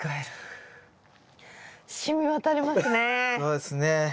そうですね。